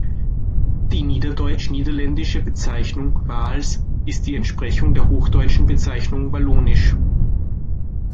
Die niederdeutsch-niederländische Bezeichnung „waals“ ist die Entsprechung der hochdeutschen Bezeichnung "wallonisch.